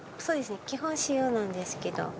そうですね基本塩なんですけど。